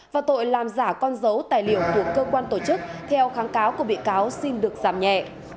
và tội làm giả con dấu tài liệu của cơ quan tổ chức theo kháng cáo của bị cáo xin được giảm nhẹ